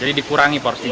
jadi dikurangi porsinya